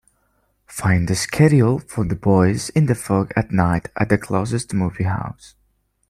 Find the schedule for The Voice in the Fog at night at the closest movie house.